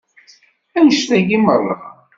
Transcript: Annect-agi meṛṛa.